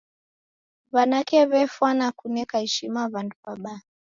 W'anake w'efwana kuneka ishima w'andu w'abaa.